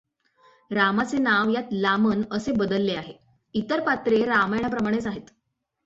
रामाचे नाव यात लामन असे बदलले आहे; इतर पात्रे रामायणाप्रमाणेच आहेत.